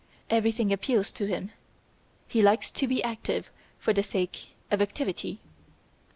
Everything appeals to him. He likes to be active for the sake of activity."